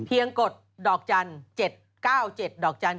กดดอกจันทร์๗๙๗ดอกจันท